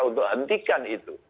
untuk hentikan itu